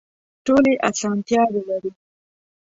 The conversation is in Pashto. ټولې اسانتیاوې لري.